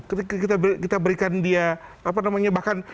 ketika kita berikan dia apa namanya bahkan